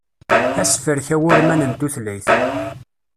Asefrek awurman n tutlayt.